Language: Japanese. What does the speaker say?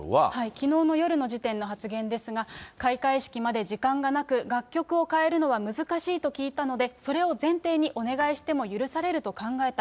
きのうの夜の時点の発言ですが、開会式まで時間がなく、楽曲を変えるのは難しいと聞いたので、それを前提に、お願いしても許されると考えた。